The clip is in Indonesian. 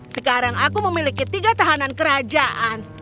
sekarang aku memiliki tiga tahanan kerajaan